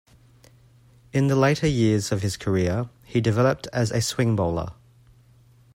In the later years of his career, he developed as a swing bowler.